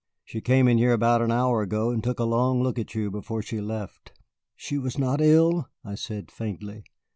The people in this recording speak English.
She came in here about an hour ago and took a long look at you before she left." "She was not ill?" I said faintly.